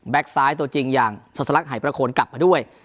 ซ้ายตัวจริงอย่างสลักหายประโคนกลับมาด้วย